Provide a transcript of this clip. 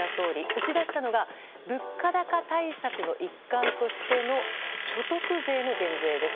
打ち出したのが物価高対策の一環としての所得税の減税です。